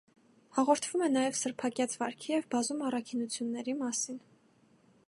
Հաղորդվում է նրա սրբակյաց վարքի և բազում առաքինությունների մասին։